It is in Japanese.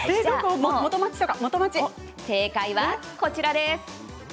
正解はこちらです。